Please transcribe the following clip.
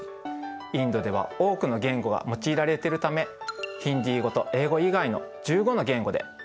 インドでは多くの言語が用いられてるためヒンディー語と英語以外の１５の言語で２０ルピーと書いてあるんですよ。